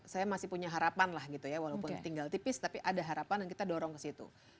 saya masih punya harapan lah gitu ya walaupun tinggal tipis tapi ada harapan dan kita dorong ke situ